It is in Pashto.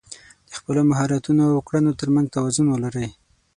د خپلو مهارتونو او کړنو تر منځ توازن ولرئ.